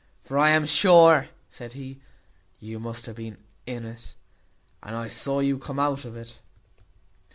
"for I am sure," said he, "you must have been in it, as I saw you come out of it."